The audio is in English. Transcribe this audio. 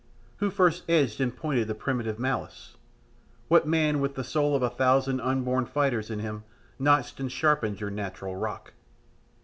Who first edged and pointed the primitive malice? What man with the soul of a thousand unborn fighters in him notched and sharpened your natural rock?"